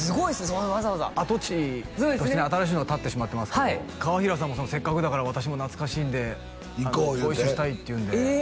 そんなわざわざ跡地としてね新しいのが建ってしまってますけど川平さんもせっかくだから私も懐かしいんでご一緒したいって言うんで行こう言うて？